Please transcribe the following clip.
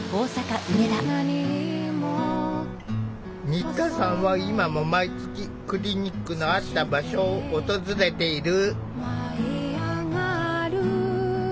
新田さんは今も毎月クリニックのあった場所を訪れている。